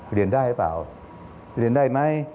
เรียนได้หรือเปล่าเรียนได้ไหม